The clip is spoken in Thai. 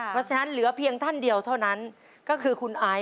เพราะฉะนั้นเหลือเพียงท่านเดียวเท่านั้นก็คือคุณไอซ